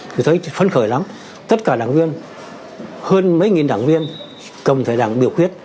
tôi thấy phân khởi lắm tất cả đảng viên hơn mấy nghìn đảng viên cầm thẻ đảng biểu quyết